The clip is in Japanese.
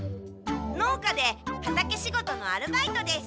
農家で畑仕事のアルバイトです。